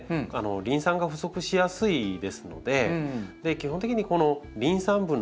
リン酸が不足しやすいですので基本的にリン酸分の多い肥料。